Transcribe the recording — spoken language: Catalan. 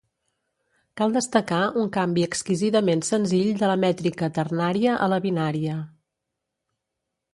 Cal destacar un canvi exquisidament senzill de la mètrica ternària a la binària.